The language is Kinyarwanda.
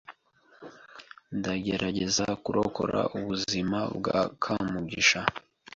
Ndagerageza kurokora ubuzima bwa Kamugisha.